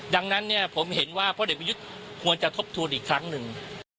ดังนั้นเนี่ยผมเห็นว่าพ่อเด็กประยุทธ์ควรจะทบทวนอีกครั้งหนึ่ง